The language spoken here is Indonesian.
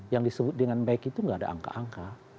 yang disebut dengan baik itu tidak ada angka angka